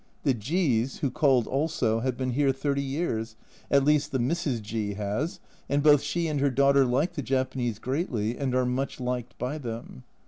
The G s, who called also, have been here thirty years, at least the Mrs. G has, and both she and her daughter like the Japanese greatly, and are much liked by them.